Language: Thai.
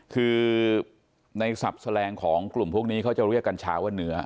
คือในศัพท์แสลงของกลุ่มพวกนี้เขาจะเรียกกัญชาว่าเนื้อ